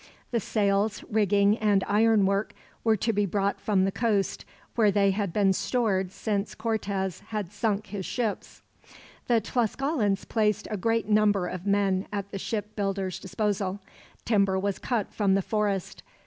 The sails, rigging, and ironwork were to be brought from the coast, where they had been stored since Cortez had sunk his ships. The Tlascalans placed a great number of men at the ship builders' disposal. Timber was cut from the forest.